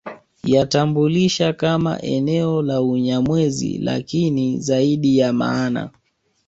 Yatambulisha kama eneo la Unyamwezi lakini zaidi ya maana